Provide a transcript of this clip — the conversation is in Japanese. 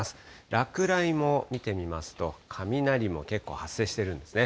落雷も見てみますと、雷も結構発生しているんですね。